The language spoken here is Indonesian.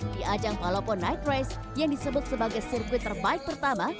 di ajang palopo night race yang disebut sebagai sirkuit terbaik pertama